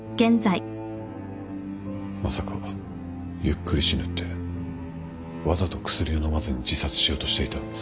まさか「ゆっくり死ぬ」ってわざと薬を飲まずに自殺しようとしていた？